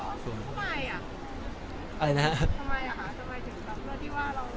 ทำไมถึงแบบเพื่อที่ว่าเราไม่มีแฟนไม่มีคุยกับใครทำแต่งานอะไรอย่างนี้